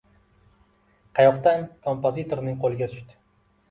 Qayoqdan kompozitorning qo‘liga tushdi.